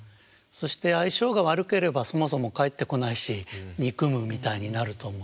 そして相性が悪ければそもそも帰ってこないし「憎む」みたいになると思う。